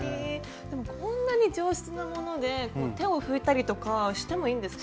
でもこんなに上質なもので手を拭いたりとかしてもいいんですか？